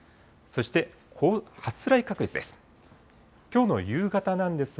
そして発雷確率です。